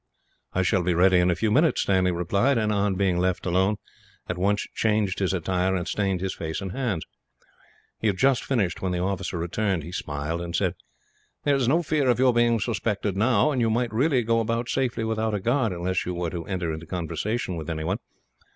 "I shall be ready in a few minutes," Stanley replied and, on being left alone, at once changed his attire and stained his face and hands. He had just finished when the officer returned. He smiled and said: "There is no fear of your being suspected, now; and you might really go about safely without a guard, unless you were to enter into conversation with anyone.